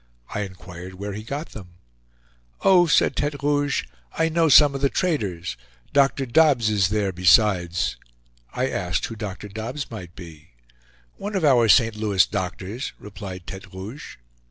I inquired where he got them. "Oh," said Tete Rouge, "I know some of the traders. Dr. Dobbs is there besides." I asked who Dr. Dobbs might be. "One of our St. Louis doctors," replied Tete Rouge.